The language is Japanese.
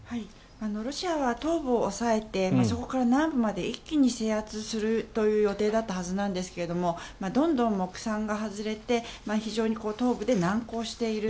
ロシアは東部を押さえてそこから南部まで一気に制圧するという予定だったはずなんですがどんどん目算が外れて非常に東部で難航している。